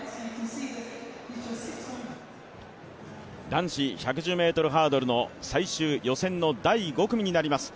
男子１１０ｍハードルの最終、予選の第５組になります